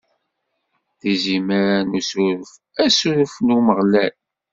D izimer n usuref, asuref n Umeɣlal.